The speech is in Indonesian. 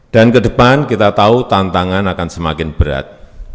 dan ke depan kita tahu tantangan akan semakin berat